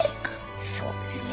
そうですね。